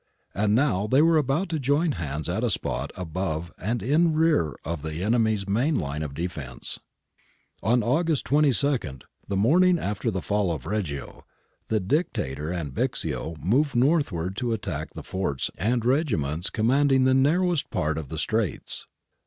And now they were about to join hands at a spot above and in rear of the enemy's main line of defence. On August 22, the morning after the fall of Reggio, the Dictator and Bixio moved northward to attack the forts and regiments commanding the narrowest part of the Straits.